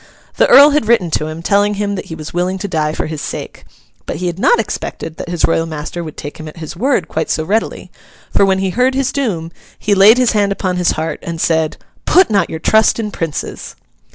The Earl had written to him, telling him that he was willing to die for his sake. But he had not expected that his royal master would take him at his word quite so readily; for, when he heard his doom, he laid his hand upon his heart, and said, 'Put not your trust in Princes!